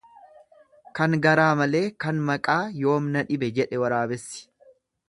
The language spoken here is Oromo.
Kan garaa malee kan maqaa yoom na dhibe jedhe waraabessi.